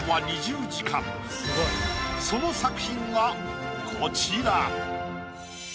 その作品がこちら。